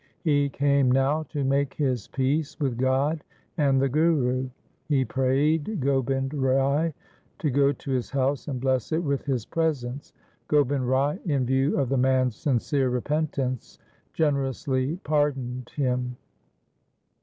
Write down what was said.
He came now to make his peace with God and the Guru. He prayed Gobind Rai to go to his house and bless it with his presence. Gobind Rai in view of the man's sincere repentance generously pardoned him.